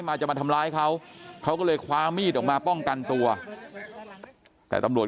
จะมาทำร้ายเขาเขาก็เลยคว้ามีดออกมาป้องกันตัวแต่ตำรวจ